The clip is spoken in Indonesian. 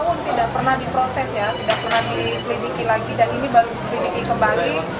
itu tidak pernah diproses ya tidak pernah diselidiki lagi dan ini baru diselidiki kembali